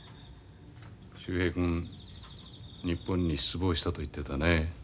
秀平君日本に失望したと言ってたね。